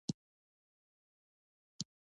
ښتې د افغانستان د ولایاتو په کچه توپیر لري.